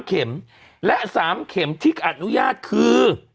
เข็มและ๓เข็มที่อนุญาตคือ